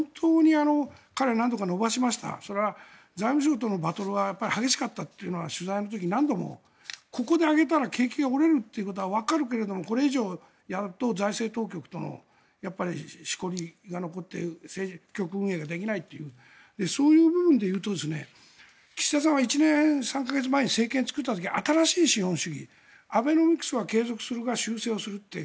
それは財務省とのバトルは激しかったというのは取材の時、何度もここで上げたら景気が折れるってことはわかるけれどこれ以上やると財政当局とのしこりが残って政局運営ができないというそういう部分でいうと岸田さんは１年３か月前に政権を作った時新しい資本主義アベノミクスは継続するが修正すると。